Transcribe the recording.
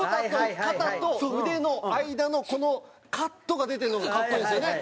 肩と腕の間のこのカットが出てるのが格好いいんですよね。